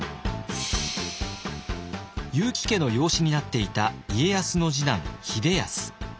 結城家の養子になっていた家康の次男秀康。